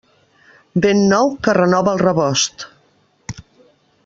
Vent nou que renova el rebost.